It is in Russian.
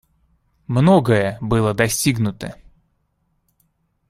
Многое было достигнуто.